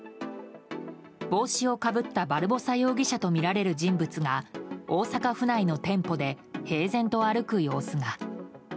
帽子をかぶったバルボサ容疑者とみられる人物が大阪府内の店舗で平然と歩く様子が。